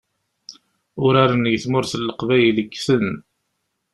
Uraren deg tmurt n leqbayel ggten.